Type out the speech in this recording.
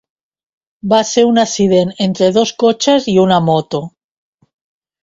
Va ser un accident entre dos cotxes i una moto.